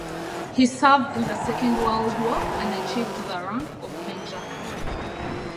He served in the Second World War and achieved the rank of major.